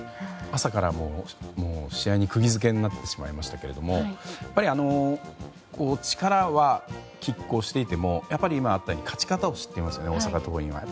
朝から試合に釘付けになってしまいましたけど力は拮抗していても今あったように勝ち方を知っていますよね大阪桐蔭は。